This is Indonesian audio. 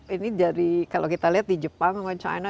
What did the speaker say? ini dari kalau kita lihat di jepang sama china